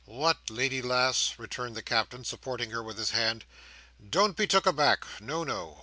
"What! Lady lass," returned the Captain, supporting her with his hand, "don't be took aback. No, no!